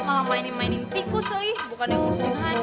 malah mainin mainin tikus lagi bukannya urusin honey